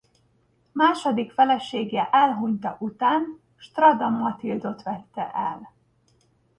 Második felesége elhunyta után Strada Matildot vette el.